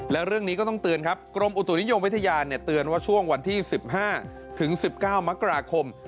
แล้วเรื่องนี้ก็ต้องเตือนครับกรมอุตุนิยมวิทยาเตือนว่าช่วงวันที่๑๕ถึง๑๙มกราคม